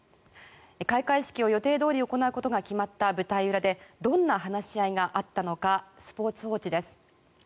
開会式を予定どおりに行うことが決まった舞台裏でどんな話し合いがあったのかスポーツ報知です。